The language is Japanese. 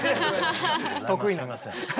得意なんです。